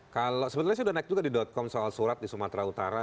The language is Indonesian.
kalau sebetulnya sudah naik juga di com soal surat di sumatera utara